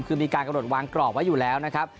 คือมีการกำหนดวางกรอบไว้อยู่แล้วนะครับ